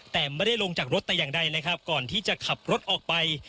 แต่ไม่ได้ลงจากรถแต่อย่างใดเลยครับก่อนที่จะขับรถออกไป